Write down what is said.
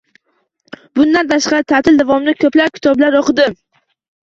Bundan tashqari, ta’til davomida ko‘plab kitoblar o‘qidim